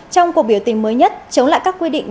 trong cuộc biểu tình mới nhất chống lại các quy định